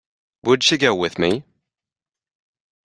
Would she go with me?